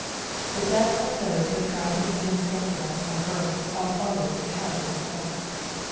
The death of those who have guided and instructed us ou earth ought always to have this effect.